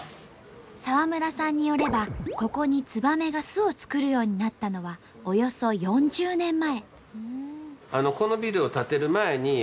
澤村さんによればここにツバメが巣を作るようになったのはおよそ４０年前。